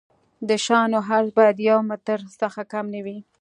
د شانو عرض باید د یو متر څخه کم نه وي